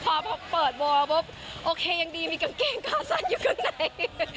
แต่ก็พอพอเปิดบัวโอเคยังดีมีกางเกงกาซันอยู่ข้างใน